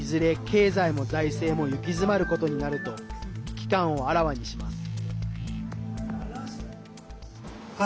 経済も財政も行き詰まることになると危機感をあらわにします。